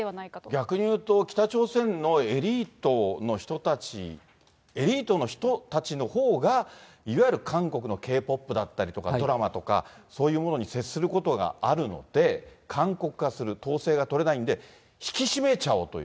逆に言うと、北朝鮮のエリートの人たち、エリートの人たちのほうがいわゆる韓国のＫ−ＰＯＰだったりとか、ドラマとか、そういうものに接することがあるので、韓国化する、統制が取れないんで、引き締めちゃおうという。